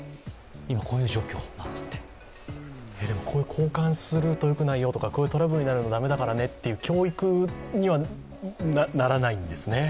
交換するとよくないよとか、こういうトラブルになると駄目だからねと教育にはならないんですね。